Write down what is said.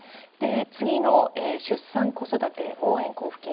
次の出産・子育て応援交付金